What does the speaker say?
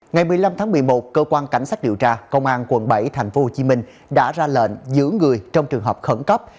ngày một mươi năm tháng một mươi một cơ quan cảnh sát điều tra công an quận bảy tp hcm đã ra lệnh giữ người trong trường hợp khẩn cấp